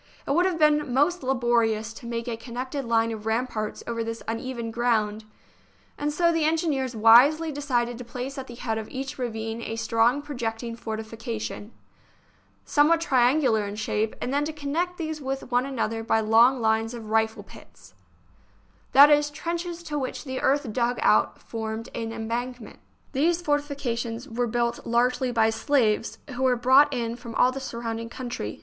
It would have been most laborious to make a connected line of ramparts over this uneven ground, and so the engineers wisely decided to place at the head of each ravine a strong projecting for tification, somewhat triangular in shape, and then to connect these with one another by long lines of rifle pits — that is, trenches to which the earth dug out formed an embankment. These fortifications were built largely by slaves, who were brought in from all the surrounding country.